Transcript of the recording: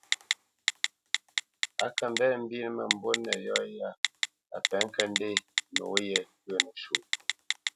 A kə mbenə mbínə mə́mbû nə yɔ ya a penə ŋkə ndenə nǒye ghyə̂ nəsuʼ.